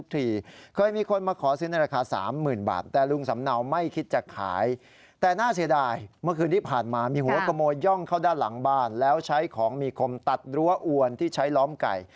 ต้องเข้าด้านหลังบ้านแล้วใช้ของมีคมตัดรั้วอวนที่ใช้ล้อมไก่